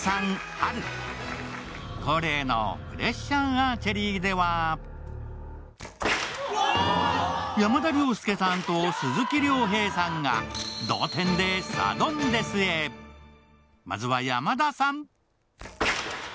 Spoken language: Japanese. アーチェリーでは山田涼介さんと鈴木亮平さんが同点でサドンデスへまずは山田さん